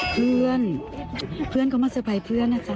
เพื่อนเพื่อนเขามาเตอร์ไพรส์เพื่อนนะจ๊